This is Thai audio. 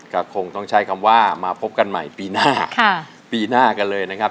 ก็คงต้องใช้คำว่ามาพบกันใหม่ปีหน้าปีหน้ากันเลยนะครับ